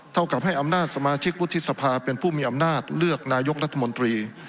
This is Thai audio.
เท่ากับให้อำนาจสมาชิกวุฒิสภาเป็นผู้มีอำนาจเลือกนายกรัฐมนตรี